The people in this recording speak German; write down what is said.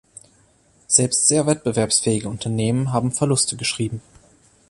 Selbst sehr wettbewerbsfähige Unternehmen haben Verluste geschrieben.